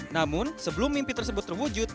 namun sebelum mimpi tersebut terwujud